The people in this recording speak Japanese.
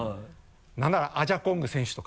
なんならアジャコング選手とか。